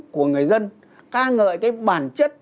của người dân ca ngợi cái bản chất